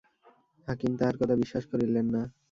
হাকিম তাহার কথা বিশ্বাস করিলেন না।